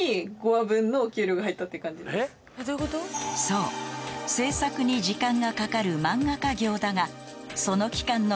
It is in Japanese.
［そう制作に時間がかかる漫画稼業だが］